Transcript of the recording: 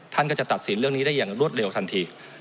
ท่านก็จะตัดสินเรื่องนี้ได้อย่างรวดเร็วทันที